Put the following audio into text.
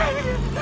何？